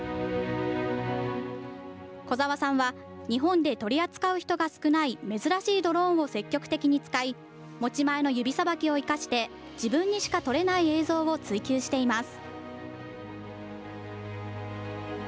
小澤さんは、日本で取り扱う人が少ない珍しいドローンを積極的に使い、持ち前の指さばきを生かして、自分にしか撮れない映像を追求しています。